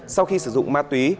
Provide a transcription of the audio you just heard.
sau khi sử dụng ma túy